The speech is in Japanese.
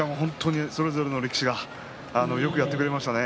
それぞれの力士がよくやってくれました。